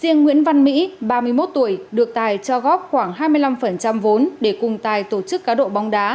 riêng nguyễn văn mỹ ba mươi một tuổi được tài cho góp khoảng hai mươi năm vốn để cùng tài tổ chức cá độ bóng đá